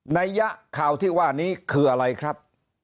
ยะข่าวที่ว่านี้คืออะไรครับ